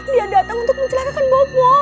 dia datang untuk mencelakakan bopo